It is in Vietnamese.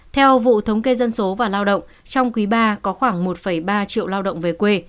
theo vụ thống kê dân số và lao động trong quý ba có khoảng một ba triệu lao động về quê